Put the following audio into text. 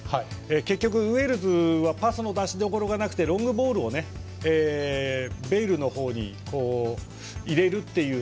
結局、ウェールズはパスの出しどころがなくてロングボールをベイルの方に入れるっていう。